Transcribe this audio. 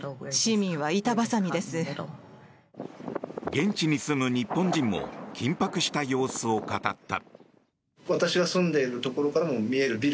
現地に住む日本人も緊迫した様子を語った。